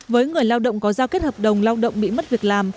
với người lao động có giao kết hợp đồng lao động bị mất việc làm